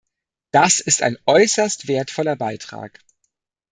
Das ist ein äußerst wertvoller Beitrag.